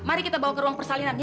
mari kita bawa ke ruang persalinan